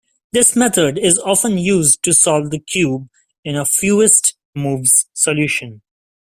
This method is often used to solve the cube in a fewest-moves solution.